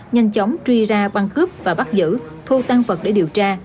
nhanh chóng truy ra quân cướp và bắt giữ thu tăng vật để điều tra